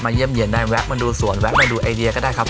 มาเยี่ยมเยี่ยมได้แวะมาดูสวนแวะมาดูอาเยียก็ได้ครับ